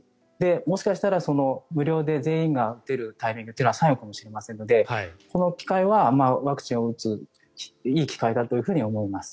もしかしたら無料で全員が打てるタイミングというのは最後かもしれませんのでこのタイミングはワクチンを打ついい機会だと思います。